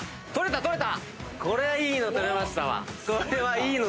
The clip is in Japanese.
これはいいの撮れましたわ。